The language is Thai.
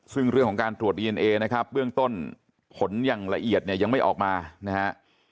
ซึ่งเรื่องของการตรวจดีเอนเอนะครับเบื้องต้นผลอย่างละเอียดเนี่ยยังไม่ออกมานะฮะ